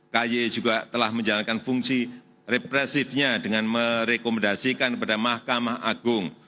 ky juga telah menjalankan fungsi represifnya dengan merekomendasikan kepada mahkamah agung